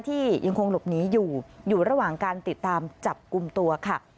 ยังคงหลบหนีอยู่อยู่ระหว่างการติดตามจับกลุ่มตัวค่ะ